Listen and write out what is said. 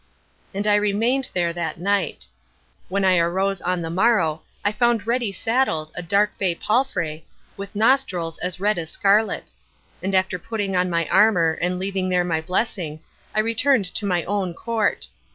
And I remained there that night. When I arose on the morrow I found ready saddled a dark bay palfrey, with nostrils as red as scarlet. And after putting on my armor, and leaving there my blessing, I returned to my own court.